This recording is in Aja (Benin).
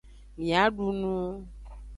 Mia du nu.